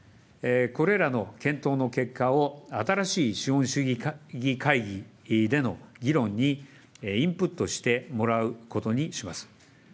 これらの検討の結果を新しい資本主義会議での議論にインプットしてもらうことにします。